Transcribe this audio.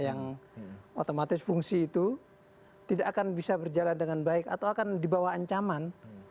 yang otomatis fungsi itu tidak akan bisa berjalan dengan baik atau akan dibawa ancaman